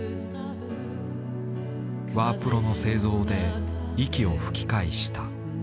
ワープロの製造で息を吹き返した。